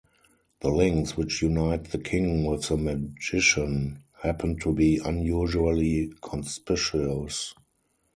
The links which unite the king with the magician happen to be unusually conspicuous.